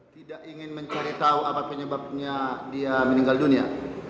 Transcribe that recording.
tidak ingin mencari tahu apa penyebabnya dia meninggal dunia